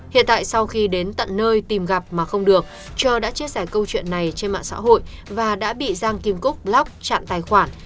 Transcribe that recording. hiện tại sau khi đến tận nơi tìm gặp mà không được cho đã chia sẻ câu chuyện này trên mạng xã hội và đã bị giang kim cúc block chặn tài khoản